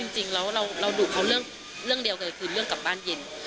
จริงแล้วเราดุเขาเรื่องเดียวกันคือเรื่องกลับบ้านเย็น